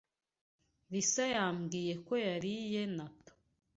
Lisa yambwiye ko yariye natto.